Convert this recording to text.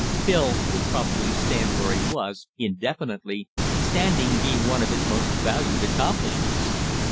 Bill would probably stand where he was, indefinitely, standing being one of his most valued accomplishments.